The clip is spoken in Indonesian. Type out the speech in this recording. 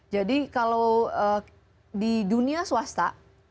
jadi kalau di dunia swasta